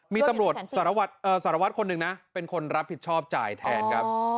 มีตำรวจสารวัตรคนหนึ่งนะเป็นคนรับผิดชอบจ่ายแทนครับ